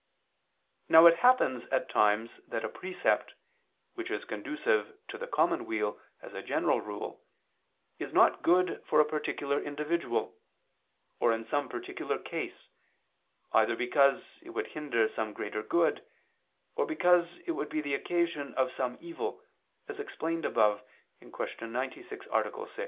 Now it happens at times that a precept, which is conducive to the common weal as a general rule, is not good for a particular individual, or in some particular case, either because it would hinder some greater good, or because it would be the occasion of some evil, as explained above (Q. 96, A. 6).